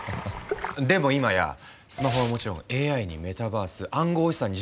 でも今やスマホはもちろんＡＩにメタバース暗号資産に自動運転